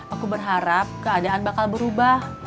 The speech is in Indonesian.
aku berharap keadaan bakal berubah